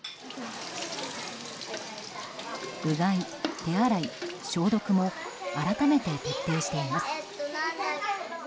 うがい・手洗い・消毒も改めて徹底しています。